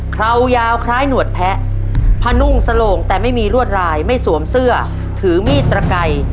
คราวยาวคล้ายหนวดแพะพนุ่งสโลงแต่ไม่มีรวดลายไม่สวมเสื้อถือมีดตระไก่